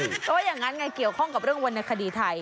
เพราะว่าอย่างนั้นไงเกี่ยวข้องกับเรื่องวรรณคดีไทย